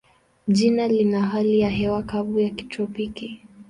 Jiji lina hali ya hewa kavu ya kitropiki.